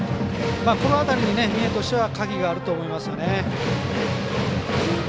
この辺りに、三重としては鍵があると思いますね。